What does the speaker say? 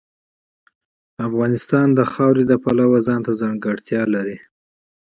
افغانستان د خاوره د پلوه ځانته ځانګړتیا لري.